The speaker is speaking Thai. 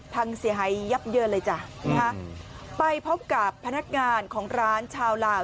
พังเสียหายยับเยินเลยจ้ะนะคะไปพบกับพนักงานของร้านชาวลาว